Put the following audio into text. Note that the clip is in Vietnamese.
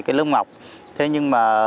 cái lớp ngọc thế nhưng mà